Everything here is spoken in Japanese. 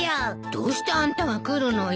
どうしてあんたが来るのよ。